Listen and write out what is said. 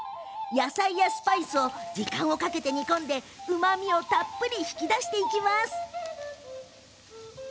野菜やスパイスを時間をかけて煮込みうまみをたっぷり引き出していきます。